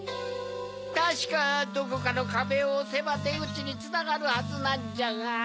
たしかどこかのかべをおせばでぐちにつながるはずなんじゃが。